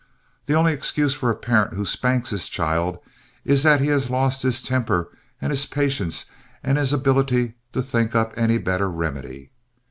The only excuse for a parent who spanks his child is that he has lost his temper and his patience and his ability to think up any better remedy.